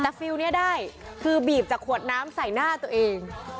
แต่ฟิลล์นี้ได้คือบีบจากขวดน้ำใส่หน้าตัวเอง